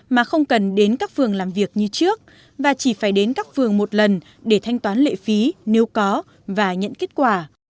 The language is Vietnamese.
mà không cần đến các phường làm việc như trước và chỉ phải đến các phường một lần để thanh toán lệ phí nếu có và nhận kết quả